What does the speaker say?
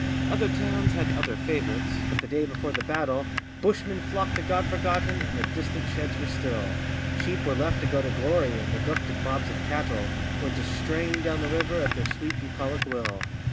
Other towns had other favourites, but the day before the battle Bushmen flocked to God Forgotten, and the distant sheds were still; Sheep were left to go to glory, and neglected mobs of cattle Went a straying down the river at their sweet bucolic will.